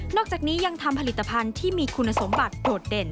อกจากนี้ยังทำผลิตภัณฑ์ที่มีคุณสมบัติโดดเด่น